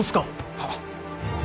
はっ。